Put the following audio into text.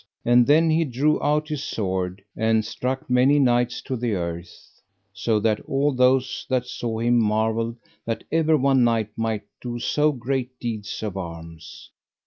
And then he drew out his sword, and struck many knights to the earth, so that all those that saw him marvelled that ever one knight might do so great deeds of arms.